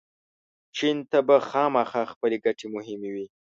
چین ته به خامخا خپلې ګټې مهمې وي.